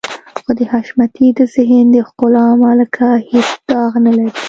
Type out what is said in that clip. خو د حشمتي د ذهن د ښکلا ملکه هېڅ داغ نه لري.